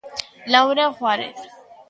Laura Juárez.